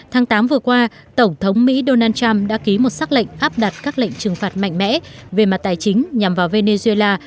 tháng tám vừa qua tổng thống mỹ donald trump đã ký một xác lệnh áp đặt các lệnh trừng phạt mạnh mẽ về mặt tài chính nhằm vào venezuela